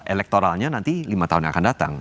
elektoralnya nanti lima tahun yang akan datang